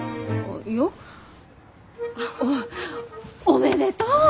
おめでとう！